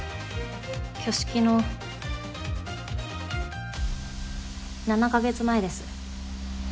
挙式の７か月前です。